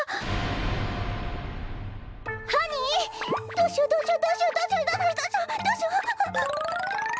どうしようどうしよう！